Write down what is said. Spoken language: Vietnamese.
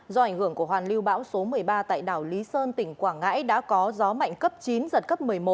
do ảnh hưởng của hoàn lưu bão số một mươi ba tại đảo lý sơn tỉnh quảng ngãi đã có gió mạnh cấp chín giật cấp một mươi một